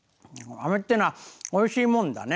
あめっていうのはおいしいもんだね。